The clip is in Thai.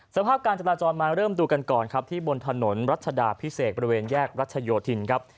สภาพการจราจรมาเริ่มดูกันก่อนครับที่บนถนนรัชดาพิเศษบริเวณแยกรัชโยธินครับ